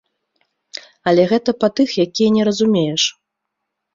Але гэта па тых, якія не разумееш.